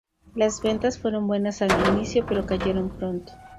Las ventas fueron buenas al inicio, pero cayeron pronto.